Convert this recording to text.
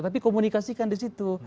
tapi komunikasikan disitu